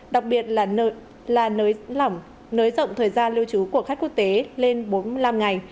đặc biệt là nới rộng thời gian lưu trú của khách quốc tế lên bốn mươi năm ngày